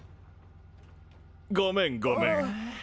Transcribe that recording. ごめんごめん。